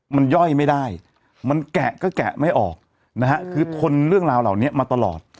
มันย่อยไม่ได้มันแกะก็แกะไม่ออกนะฮะคือทนเรื่องราวเหล่านี้มาตลอด